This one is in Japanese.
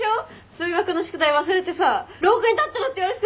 数学の宿題忘れてさ廊下に立ってろって言われたやつでしょ？